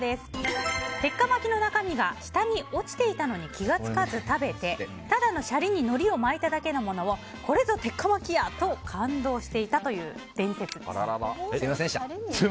鉄火巻きの中身が下に落ちていたのに気が付かず食べてただのシャリにのりを巻いただけのものをこれぞ鉄火巻きや！と感動していたというすみませんでした。